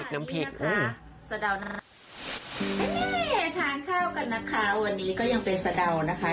นี่ค่ะสะดาวน้ำทานข้าวกันนะคะวันนี้ก็ยังเป็นสะดาวนะคะ